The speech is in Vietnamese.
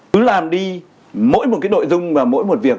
cứ làm đi mỗi một đội dung và mỗi một việc